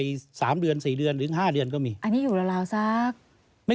คืออย่างนี้